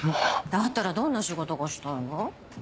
だったらどんな仕事がしたいの？